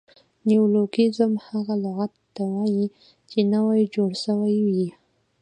نیولوګیزم هغه لغت ته وایي، چي نوي جوړ سوي يي.